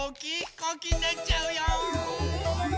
こうきになっちゃうよ！